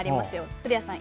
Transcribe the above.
古谷さん